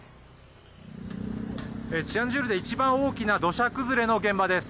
チアンジュールで一番大きな土砂崩れの現場です。